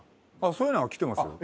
そういうのはきてますよ。